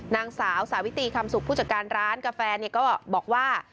นางสาวสาวิตีคำสุขผู้จัดการร้านกาแฟก็บอกว่า